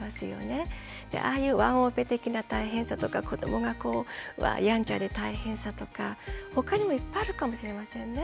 でああいうワンオペ的な大変さとか子どもがこうやんちゃで大変さとか他にもいっぱいあるかもしれませんね。